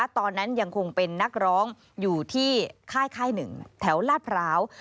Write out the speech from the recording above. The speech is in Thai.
ตอนนั้นยังคงเป็นนักร้องอยู่ที่ค่าย๑แถวลาดพร้าว